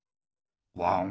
ワン？